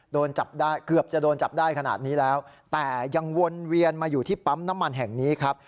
โดนจับได้เกือบจะโดนจับได้ขนาดนี้แล้วแต่ยังวนเวียนมาอยู่ที่ปั๊มน้ำมันแห่งนี้ครับ